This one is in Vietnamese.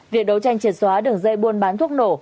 việc đấu tranh triệt xóa đường dây buôn bán thuốc nổ